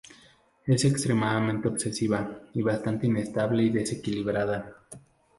Es extremadamente obsesiva, y bastante inestable y desequilibrada.